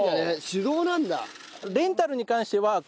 手動なんだ。